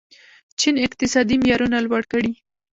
چین اقتصادي معیارونه لوړ کړي.